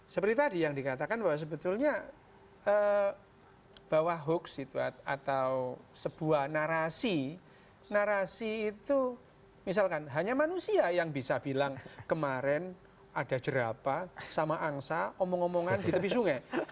seperti tadi yang dikatakan bahwa sebetulnya bahwa hoax itu atau sebuah narasi narasi itu misalkan hanya manusia yang bisa bilang kemarin ada jerapa sama angsa omong omongan di tepi sungai